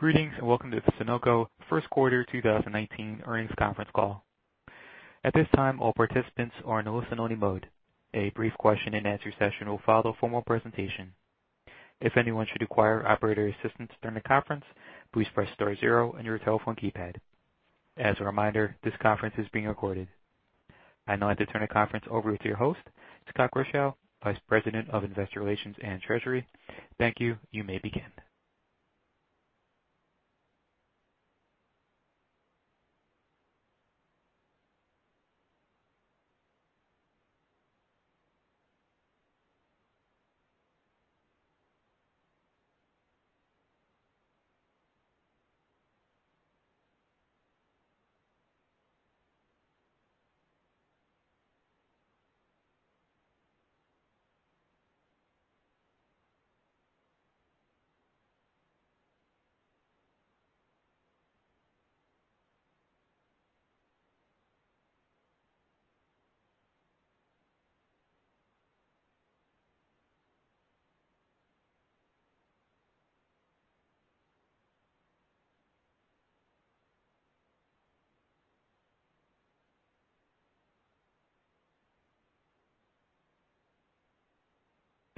Greetings, and welcome to the Sunoco First Quarter 2019 Earnings Conference Call. At this time, all participants are in listen only mode. A brief question and answer session will follow formal presentation. If anyone should require operator assistance during the conference, please press star zero on your telephone keypad. As a reminder, this conference is being recorded. I'd now like to turn the conference over to your host, Scott Grischow, Vice President of Investor Relations and Treasury. Thank you. You may begin.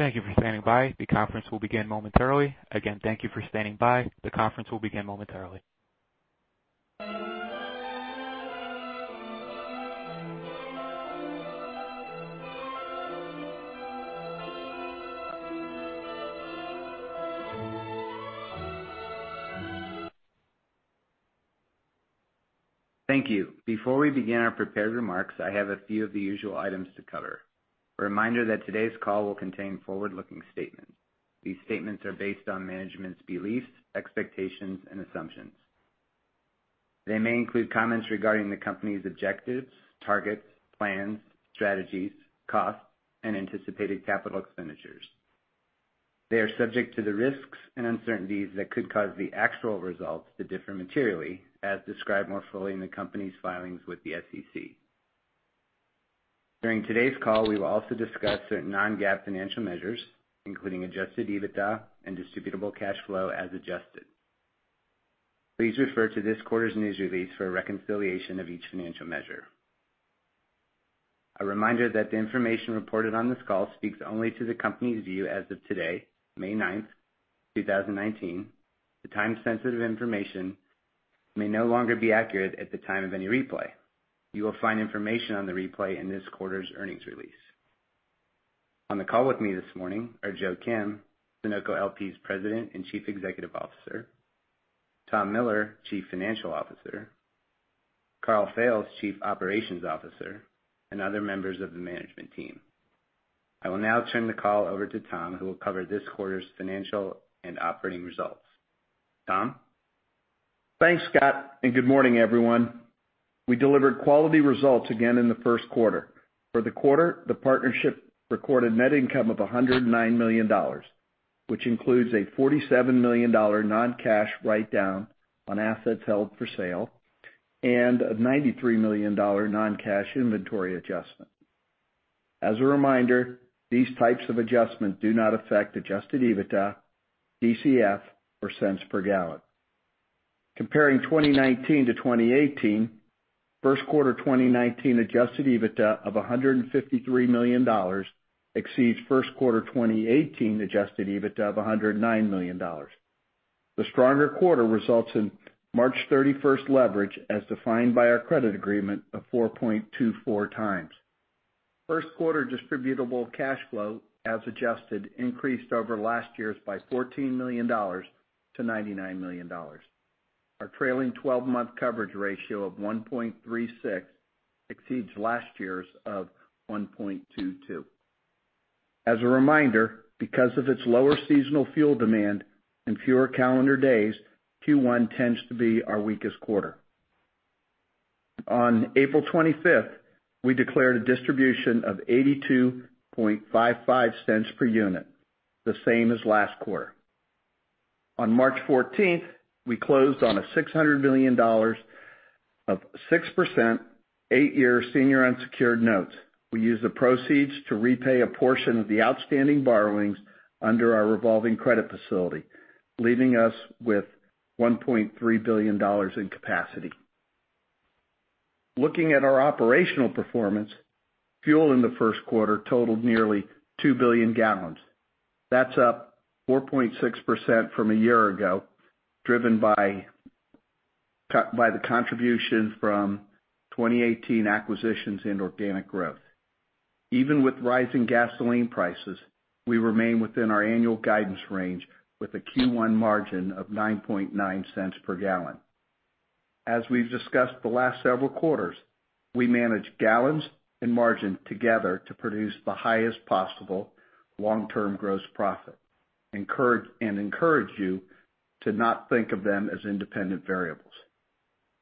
Thank you for standing by. The conference will begin momentarily. Again, thank you for standing by. The conference will begin momentarily. Thank you. Before we begin our prepared remarks, I have a few of the usual items to cover. A reminder that today's call will contain forward-looking statements. These statements are based on management's beliefs, expectations, and assumptions. They may include comments regarding the company's objectives, targets, plans, strategies, costs, and anticipated capital expenditures. They are subject to the risks and uncertainties that could cause the actual results to differ materially, as described more fully in the company's filings with the SEC. During today's call, we will also discuss certain non-GAAP financial measures, including adjusted EBITDA and distributable cash flow as adjusted. Please refer to this quarter's news release for a reconciliation of each financial measure. A reminder that the information reported on this call speaks only to the company's view as of today, May 9, 2019. The time-sensitive information may no longer be accurate at the time of any replay. You will find information on the replay in this quarter's earnings release. On the call with me this morning are Joseph Kim, Sunoco LP's President and Chief Executive Officer, Thomas Miller, Chief Financial Officer, Karl Fails, Chief Operations Officer, and other members of the management team. I will now turn the call over to Tom, who will cover this quarter's financial and operating results. Tom? Thanks, Scott. Good morning, everyone. We delivered quality results again in the first quarter. For the quarter, the partnership recorded net income of $109 million, which includes a $47 million non-cash write-down on assets held for sale, and a $93 million non-cash inventory adjustment. As a reminder, these types of adjustments do not affect adjusted EBITDA, DCF, or cents per gallon. Comparing 2019 to 2018, first quarter 2019 adjusted EBITDA of $153 million exceeds first quarter 2018 adjusted EBITDA of $109 million. The stronger quarter results in March 31st leverage, as defined by our credit agreement, of 4.24 times. First quarter distributable cash flow, as adjusted, increased over last year's by $14 million to $99 million. Our trailing 12-month coverage ratio of 1.36 exceeds last year's of 1.22. As a reminder, because of its lower seasonal fuel demand and fewer calendar days, Q1 tends to be our weakest quarter. On April 25th, we declared a distribution of $0.8255 per unit, the same as last quarter. On March 14th, we closed on a $600 million of 6%, 8-year senior unsecured notes. We used the proceeds to repay a portion of the outstanding borrowings under our revolving credit facility, leaving us with $1.3 billion in capacity. Looking at our operational performance, fuel in the first quarter totaled nearly 2 billion gallons. That's up 4.6% from a year ago, driven by the contribution from 2018 acquisitions and organic growth. Even with rising gasoline prices, we remain within our annual guidance range with a Q1 margin of $0.099 per gallon. As we've discussed the last several quarters, we manage gallons and margin together to produce the highest possible long-term gross profit, and encourage you to not think of them as independent variables.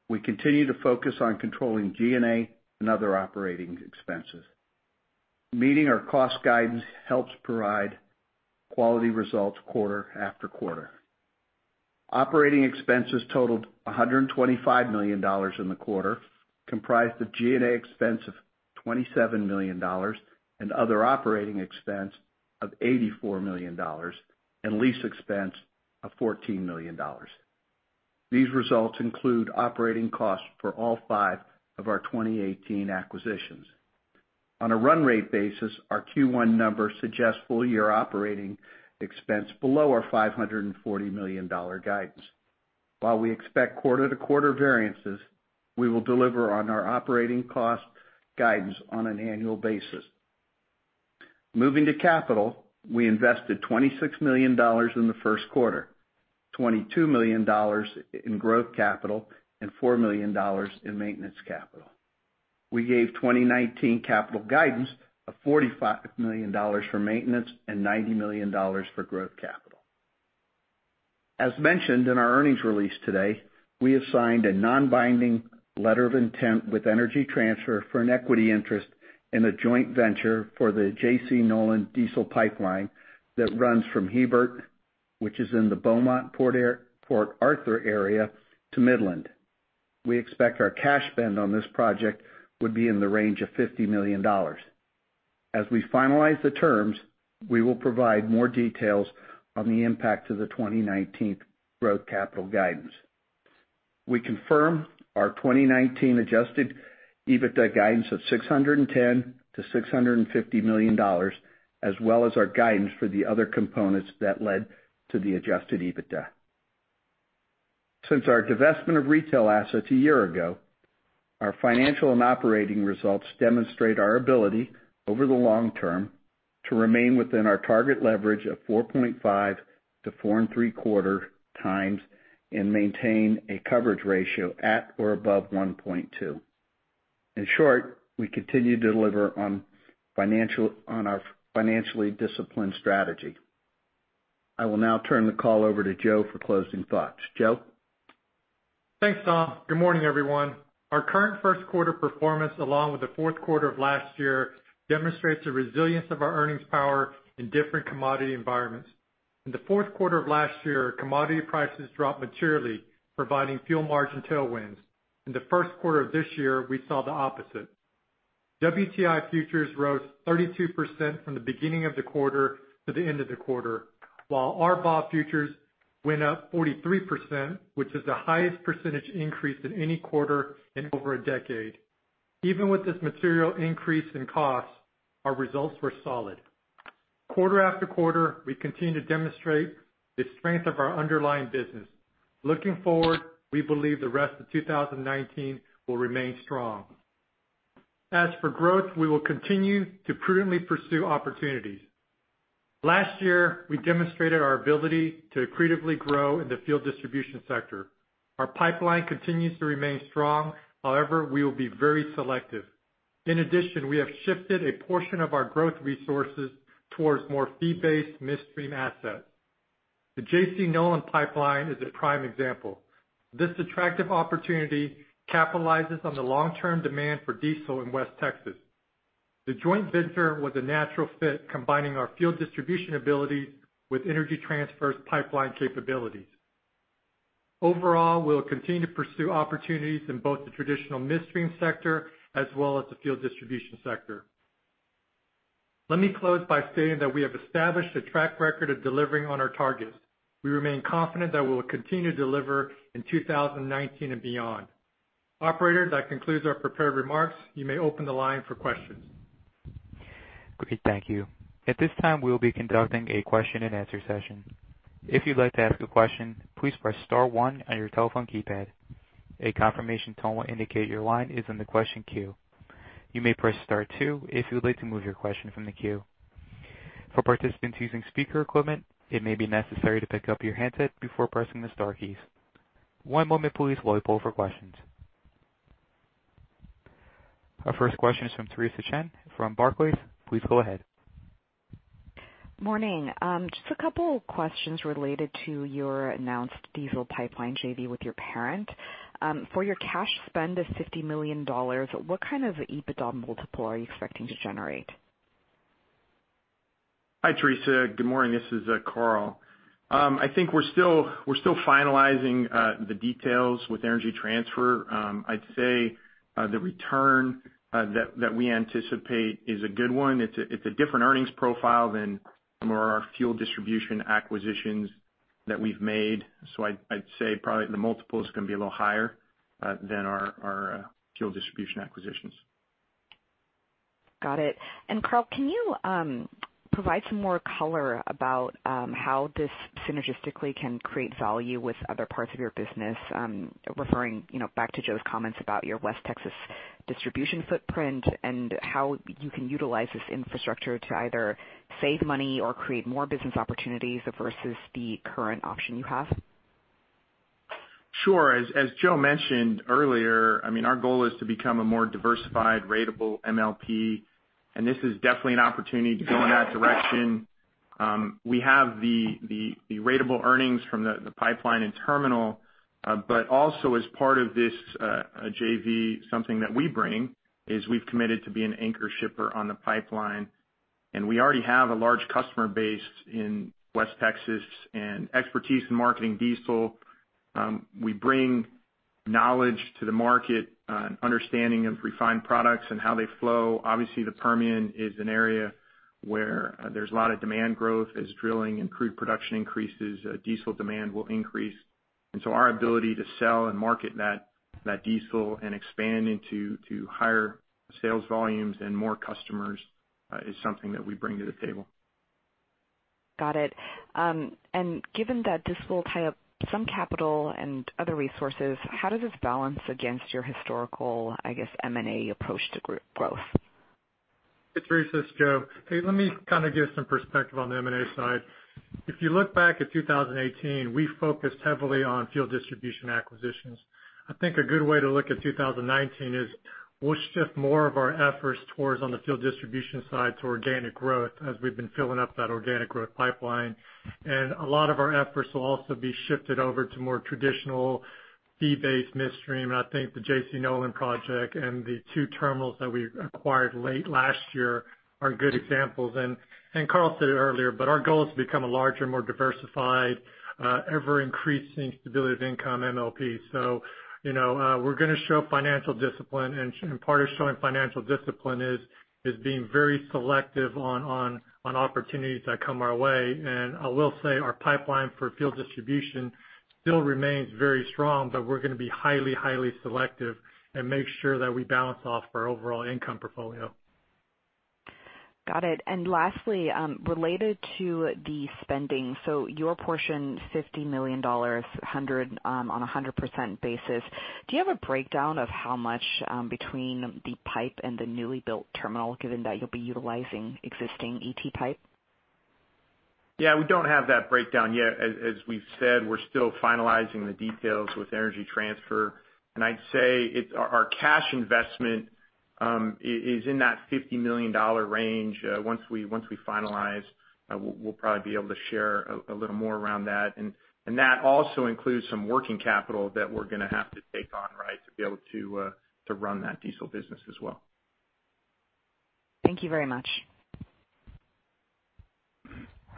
We continue to focus on controlling G&A and other operating expenses. Meeting our cost guidance helps provide quality results quarter after quarter. Operating expenses totaled $125 million in the quarter, comprised of G&A expense of $27 million and other operating expense of $84 million and lease expense of $14 million. These results include operating costs for all five of our 2018 acquisitions. On a run rate basis, our Q1 numbers suggest full year operating expense below our $540 million guidance. While we expect quarter-over-quarter variances, we will deliver on our operating cost guidance on an annual basis. Moving to capital, we invested $26 million in the first quarter, $22 million in growth capital and $4 million in maintenance capital. We gave 2019 capital guidance of $45 million for maintenance and $90 million for growth capital. As mentioned in our earnings release today, we have signed a non-binding letter of intent with Energy Transfer for an equity interest in a joint venture for the J.C. Nolan diesel pipeline that runs from Hebert, which is in the Beaumont, Port Arthur area, to Midland. We expect our cash spend on this project would be in the range of $50 million. As we finalize the terms, we will provide more details on the impact to the 2019 growth capital guidance. We confirm our 2019 adjusted EBITDA guidance of $610 million-$650 million, as well as our guidance for the other components that led to the adjusted EBITDA. Since our divestment of retail assets a year ago, our financial and operating results demonstrate our ability, over the long term, to remain within our target leverage of 4.5x-4.75x and maintain a coverage ratio at or above 1.2. In short, we continue to deliver on our financially disciplined strategy. I will now turn the call over to Joe for closing thoughts. Joe? Thanks, Tom. Good morning, everyone. Our current first quarter performance, along with the fourth quarter of last year, demonstrates the resilience of our earnings power in different commodity environments. In the fourth quarter of last year, commodity prices dropped materially, providing fuel margin tailwinds. In the first quarter of this year, we saw the opposite. WTI futures rose 32% from the beginning of the quarter to the end of the quarter, while RBOB futures went up 43%, which is the highest percentage increase in any quarter in over a decade. Even with this material increase in costs, our results were solid. Quarter after quarter, we continue to demonstrate the strength of our underlying business. Looking forward, we believe the rest of 2019 will remain strong. As for growth, we will continue to prudently pursue opportunities. Last year, we demonstrated our ability to accretively grow in the fuel distribution sector. Our pipeline continues to remain strong. However, we will be very selective. In addition, we have shifted a portion of our growth resources towards more fee-based midstream assets. The J.C. Nolan pipeline is a prime example. This attractive opportunity capitalizes on the long-term demand for diesel in West Texas. The joint venture was a natural fit, combining our fuel distribution ability with Energy Transfer's pipeline capabilities. Overall, we'll continue to pursue opportunities in both the traditional midstream sector as well as the fuel distribution sector. Let me close by stating that we have established a track record of delivering on our targets. We remain confident that we will continue to deliver in 2019 and beyond. Operator, that concludes our prepared remarks. You may open the line for questions. Great, thank you. At this time, we will be conducting a question and answer session. If you'd like to ask a question, please press *1 on your telephone keypad. A confirmation tone will indicate your line is in the question queue. You may press *2 if you would like to move your question from the queue. For participants using speaker equipment, it may be necessary to pick up your handset before pressing the star keys. One moment please, while we poll for questions. Our first question is from Theresa Chen from Barclays. Please go ahead. Morning. Just a couple questions related to your announced diesel pipeline JV with your parent. For your cash spend of $50 million, what kind of EBITDA multiple are you expecting to generate? Hi, Theresa. Good morning. This is Karl. I think we're still finalizing the details with Energy Transfer. I'd say the return that we anticipate is a good one. It's a different earnings profile than some of our fuel distribution acquisitions that we've made. I'd say probably the multiple's going to be a little higher than our fuel distribution acquisitions. Got it. Karl, can you provide some more color about how this synergistically can create value with other parts of your business? Referring back to Joe's comments about your West Texas distribution footprint and how you can utilize this infrastructure to either save money or create more business opportunities versus the current option you have. Sure. As Joe mentioned earlier, our goal is to become a more diversified ratable MLP. This is definitely an opportunity to go in that direction. We have the ratable earnings from the pipeline and terminal. Also, as part of this JV, something that we bring is we've committed to be an anchor shipper on the pipeline. We already have a large customer base in West Texas and expertise in marketing diesel. We bring knowledge to the market, understanding of refined products and how they flow. Obviously, the Permian is an area where there's a lot of demand growth. As drilling and crude production increases, diesel demand will increase. Our ability to sell and market that diesel and expand into higher sales volumes and more customers is something that we bring to the table. Got it. Given that this will tie up some capital and other resources, how does this balance against your historical, I guess, M&A approach to group growth? Theresa, it's Joe. Let me kind of give some perspective on the M&A side. If you look back at 2018, we focused heavily on fuel distribution acquisitions. I think a good way to look at 2019 is, we'll shift more of our efforts towards on the fuel distribution side to organic growth as we've been filling up that organic growth pipeline. A lot of our efforts will also be shifted over to more traditional fee-based midstream. I think the J.C. Nolan project and the two terminals that we acquired late last year are good examples. Karl said it earlier, but our goal is to become a larger, more diversified, ever-increasing stability of income MLP. We're going to show financial discipline, and part of showing financial discipline is being very selective on opportunities that come our way. I will say our pipeline for fuel distribution still remains very strong, we're going to be highly selective and make sure that we balance off our overall income portfolio. Got it. Lastly, related to the spending. Your portion, $50 million on 100% basis. Do you have a breakdown of how much between the pipe and the newly built terminal, given that you'll be utilizing existing ET pipe? Yeah, we don't have that breakdown yet. As we've said, we're still finalizing the details with Energy Transfer. I'd say our cash investment is in that $50 million range. Once we finalize, we'll probably be able to share a little more around that. That also includes some working capital that we're going to have to take on, right, to be able to run that diesel business as well. Thank you very much.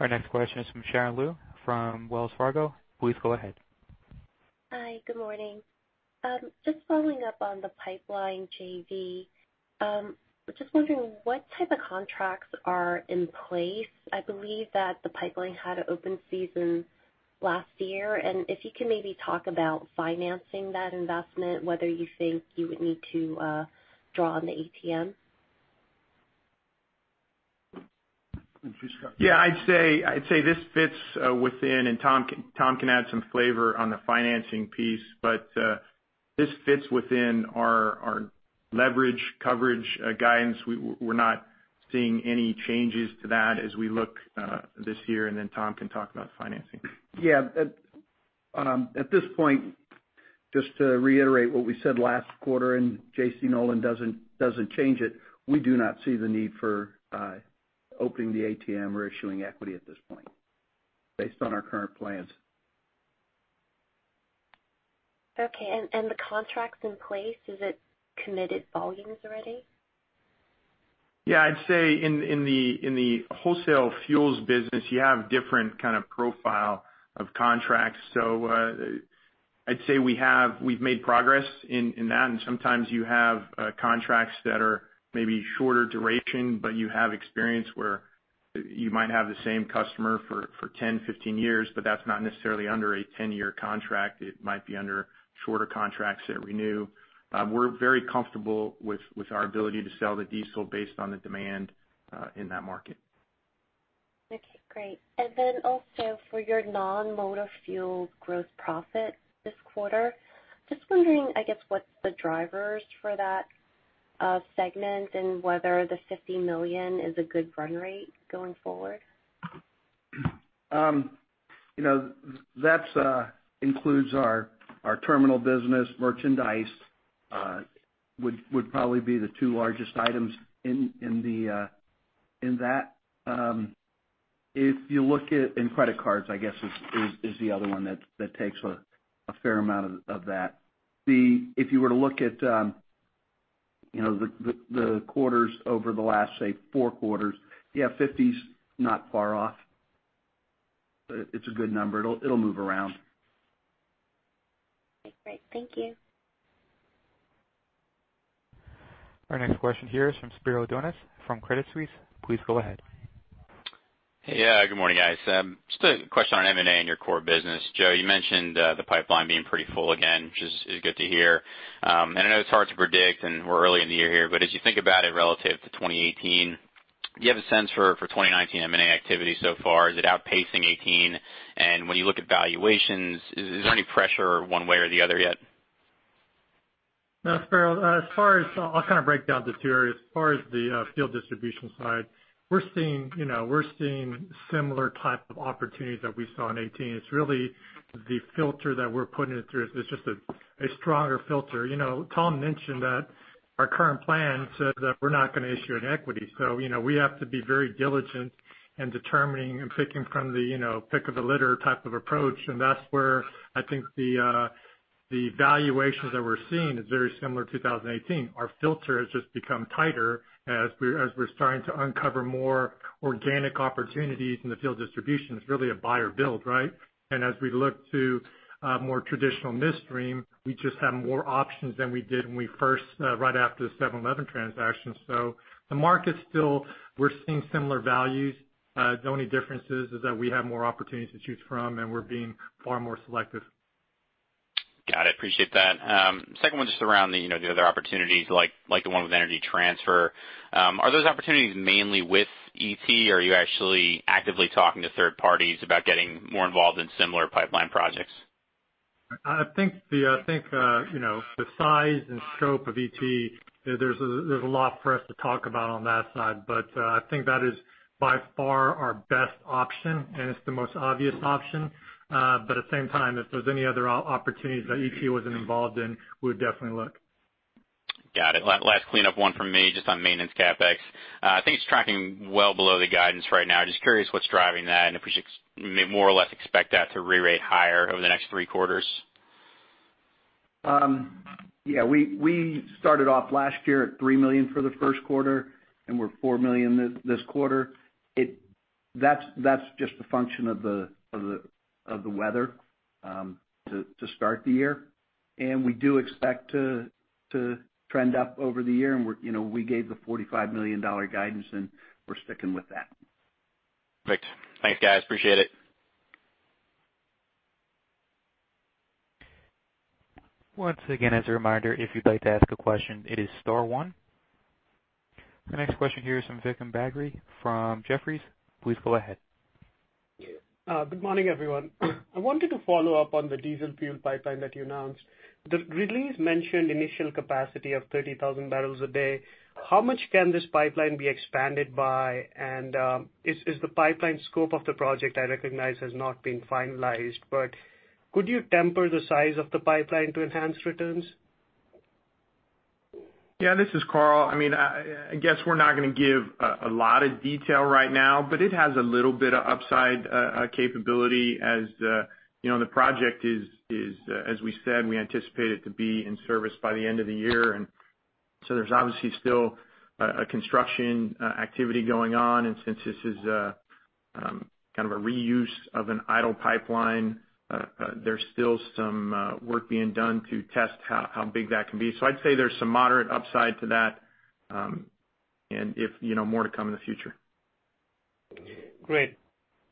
Our next question is from Sharon Lui from Wells Fargo. Please go ahead. Hi, good morning. Just following up on the pipeline JV. Just wondering what type of contracts are in place. I believe that the pipeline had an open season last year. If you can maybe talk about financing that investment, whether you think you would need to draw on the ATM. Yeah, I'd say this fits within, Tom can add some flavor on the financing piece, but this fits within our leverage coverage guidance. We're not seeing any changes to that as we look this year. Tom can talk about financing. Yeah. At this point, just to reiterate what we said last quarter, J.C. Nolan doesn't change it, we do not see the need for opening the ATM or issuing equity at this point based on our current plans. Okay. The contracts in place, is it committed volumes already? Yeah, I'd say in the wholesale fuels business, you have different kind of profile of contracts. I'd say we've made progress in that, sometimes you have contracts that are maybe shorter duration, but you have experience where you might have the same customer for 10, 15 years, but that's not necessarily under a 10-year contract. It might be under shorter contracts that renew. We're very comfortable with our ability to sell the diesel based on the demand in that market. Okay, great. Also for your non-motor fuel gross profit this quarter, just wondering, I guess, what's the drivers for that segment and whether the $50 million is a good run rate going forward? That includes our terminal business. Merchandise would probably be the two largest items in that. Credit cards, I guess, is the other one that takes a fair amount of that. If you were to look at the quarters over the last, say, four quarters, yeah, 50 is not far off. It's a good number. It'll move around. Okay, great. Thank you. Our next question here is from Spiro Dounis from Credit Suisse. Please go ahead. Hey. Good morning, guys. Just a question on M&A and your core business. Joe, you mentioned the pipeline being pretty full again, which is good to hear. I know it's hard to predict, and we're early in the year here, but as you think about it relative to 2018, do you have a sense for 2019 M&A activity so far? Is it outpacing 2018? When you look at valuations, is there any pressure one way or the other yet? Spiro, I'll kind of break down the two areas. As far as the fuel distribution side, we're seeing similar type of opportunities that we saw in 2018. It's really the filter that we're putting it through. It's just a stronger filter. Tom mentioned that our current plan says that we're not going to issue an equity. We have to be very diligent in determining and picking from the pick of the litter type of approach. That's where I think the valuations that we're seeing is very similar to 2018. Our filter has just become tighter as we're starting to uncover more organic opportunities in the fuel distribution. It's really a buyer build, right? As we look to more traditional midstream, we just have more options than we did when we first right after the 7-Eleven transaction. We're seeing similar values. The only difference is that we have more opportunities to choose from, and we're being far more selective. Got it. Appreciate that. Second one, just around the other opportunities like the one with Energy Transfer. Are those opportunities mainly with ET, or are you actually actively talking to third parties about getting more involved in similar pipeline projects? I think the size and scope of ET, there's a lot for us to talk about on that side, but I think that is by far our best option and it's the most obvious option. At the same time, if there's any other opportunities that ET wasn't involved in, we would definitely look. Got it. Last cleanup one from me, just on maintenance CapEx. I think it's tracking well below the guidance right now. Just curious what's driving that, and if we should more or less expect that to rerate higher over the next three quarters. Yeah. We started off last year at $3 million for the first quarter, and we're $4 million this quarter. That's just a function of the weather to start the year. We do expect to trend up over the year, and we gave the $45 million guidance, and we're sticking with that. Great. Thanks, guys. Appreciate it. Once again, as a reminder, if you'd like to ask a question, it is star one. The next question here is from Vikram Bagri from Jefferies. Please go ahead. Good morning, everyone. I wanted to follow up on the diesel fuel pipeline that you announced. The release mentioned initial capacity of 30,000 barrels a day. How much can this pipeline be expanded by? Is the pipeline scope of the project, I recognize, has not been finalized, but could you temper the size of the pipeline to enhance returns? Yeah. This is Karl. I guess we're not going to give a lot of detail right now, but it has a little bit of upside capability as the project is, as we said, we anticipate it to be in service by the end of the year. There's obviously still a construction activity going on, and since this is kind of a reuse of an idle pipeline, there's still some work being done to test how big that can be. I'd say there's some moderate upside to that, and more to come in the future. Great.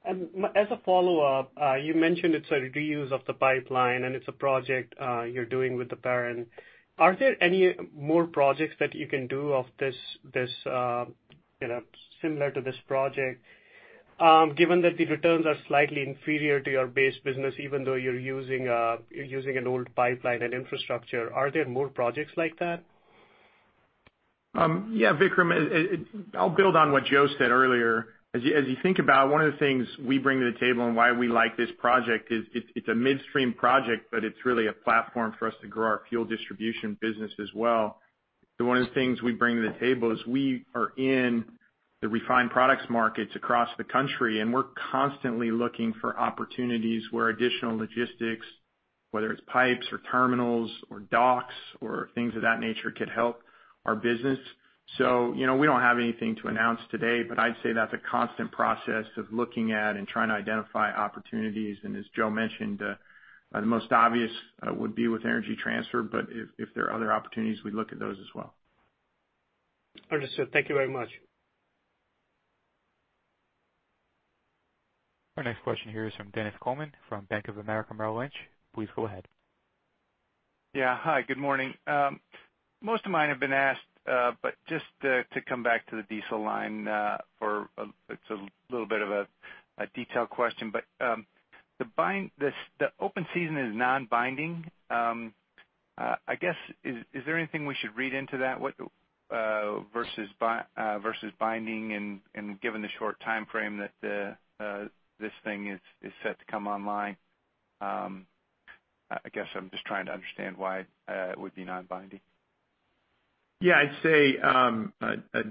As a follow-up, you mentioned it's a reuse of the pipeline, and it's a project you're doing with the parent. Are there any more projects that you can do similar to this project? Given that the returns are slightly inferior to your base business, even though you're using an old pipeline and infrastructure, are there more projects like that? Vikram. I'll build on what Joe said earlier. As you think about it, one of the things we bring to the table and why we like this project is it's a midstream project, but it's really a platform for us to grow our fuel distribution business as well. One of the things we bring to the table is we are in the refined products markets across the country, and we're constantly looking for opportunities where additional logistics, whether it's pipes or terminals or docks or things of that nature, could help our business. We don't have anything to announce today, but I'd say that the constant process of looking at and trying to identify opportunities, and as Joe mentioned, the most obvious would be with Energy Transfer, but if there are other opportunities, we'd look at those as well. Understood. Thank you very much. Our next question here is from Dennis Coleman from Bank of America Merrill Lynch. Please go ahead. Hi, good morning. Most of mine have been asked, but just to come back to the diesel line, it's a little bit of a detailed question, but the open season is non-binding. I guess, is there anything we should read into that versus binding and given the short timeframe that this thing is set to come online? I guess I'm just trying to understand why it would be non-binding. Yeah. I'd say,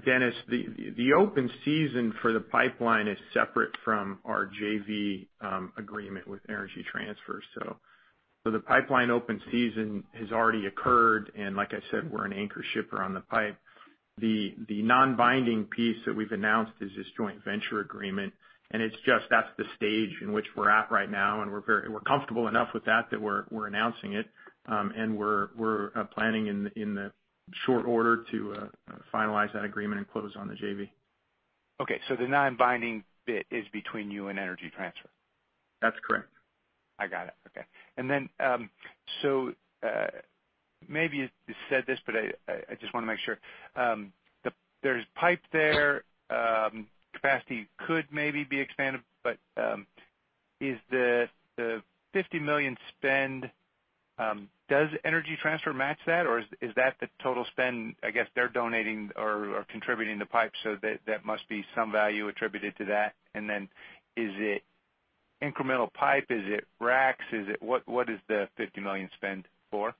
Dennis, the open season for the pipeline is separate from our JV agreement with Energy Transfer. The pipeline open season has already occurred, and like I said, we're an anchor shipper on the pipe. The non-binding piece that we've announced is this joint venture agreement, and it's just that's the stage in which we're at right now, and we're comfortable enough with that that we're announcing it. We're planning in the short order to finalize that agreement and close on the JV. Okay. The non-binding bit is between you and Energy Transfer? That's correct. I got it. Okay. Maybe you said this, but I just want to make sure. There's pipe there, capacity could maybe be expanded, but is the $50 million spend, does Energy Transfer match that, or is that the total spend? I guess they're donating or contributing the pipe, so that must be some value attributed to that. Is it incremental pipe? Is it racks? What is the $50 million spend for?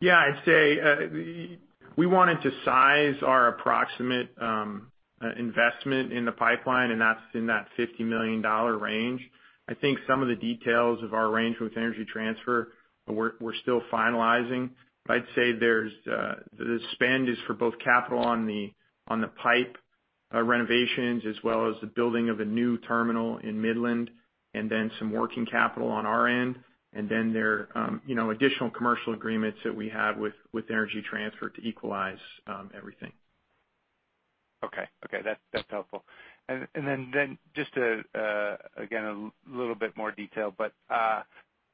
Yeah. I'd say we wanted to size our approximate investment in the pipeline, and that's in that $50 million range. I think some of the details of our range with Energy Transfer we're still finalizing. I'd say the spend is for both capital on the pipe renovations as well as the building of a new terminal in Midland. Then some working capital on our end. Then there are additional commercial agreements that we have with Energy Transfer to equalize everything. Okay. That's helpful. Then just to, again, a little bit more detail,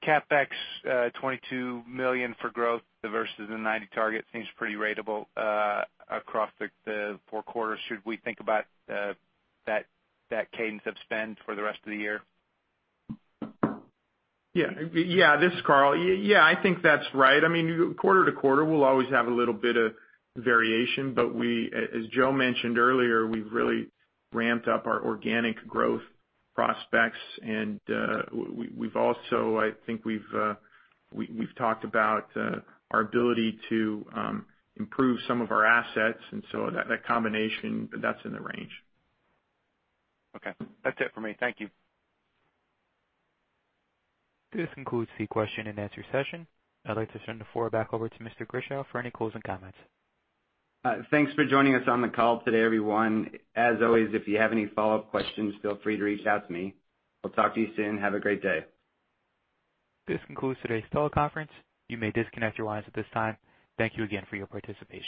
CapEx $22 million for growth versus the 90 target seems pretty ratable across the four quarters. Should we think about that cadence of spend for the rest of the year? Yeah. This is Karl. Yeah, I think that's right. Quarter to quarter, we'll always have a little bit of variation, but as Joe mentioned earlier, we've really ramped up our organic growth prospects. We've also, I think we've talked about our ability to improve some of our assets, so that combination, that's in the range. Okay. That's it for me. Thank you. This concludes the question and answer session. I'd like to turn the floor back over to Mr. Grischow for any closing comments. Thanks for joining us on the call today, everyone. As always, if you have any follow-up questions, feel free to reach out to me. We'll talk to you soon. Have a great day. This concludes today's teleconference. You may disconnect your lines at this time. Thank you again for your participation